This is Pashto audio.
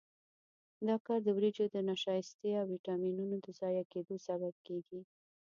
دا کار د وریجو د نشایستې او ویټامینونو د ضایع کېدو سبب کېږي.